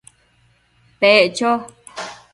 Pec cho